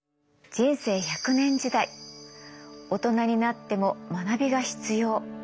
人生１００年時代大人になっても学びが必要。